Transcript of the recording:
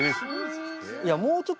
いやもうちょっと寝ない。